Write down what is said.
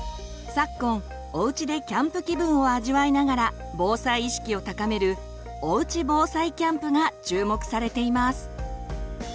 昨今おうちでキャンプ気分を味わいながら防災意識を高める「おうち防災キャンプ」が注目されています。